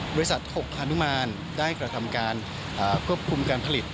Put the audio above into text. บริษัทโฮคฮานุมานได้กระทำการควบคุมการผลิต